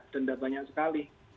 denda banyak sekali